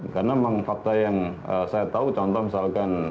karena fakta yang saya tahu contoh misalkan